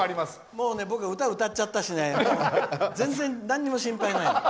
もう歌を歌っちゃったし全然何も心配ない。